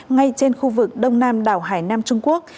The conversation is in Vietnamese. ngay trên khu vực đông nam đảo hải nam trung quốc